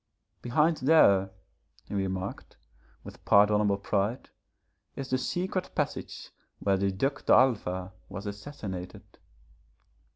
'Behind there,' he remarked, with pardonable pride, 'is the secret passage where the Duc d'Alva was assassinated.'